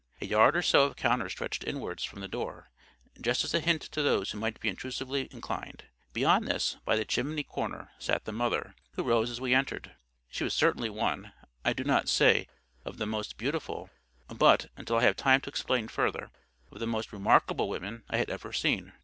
A yard or so of counter stretched inwards from the door, just as a hint to those who might be intrusively inclined. Beyond this, by the chimney corner, sat the mother, who rose as we entered. She was certainly one—I do not say of the most beautiful, but, until I have time to explain further—of the most remarkable women I had ever seen.